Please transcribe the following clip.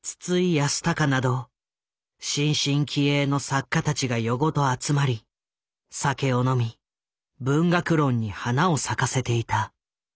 康隆など新進気鋭の作家たちが夜ごと集まり酒を飲み文学論に花を咲かせていた。